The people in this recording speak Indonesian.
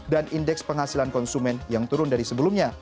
dan indeks penghasilan konsumen yang turun dari sebelumnya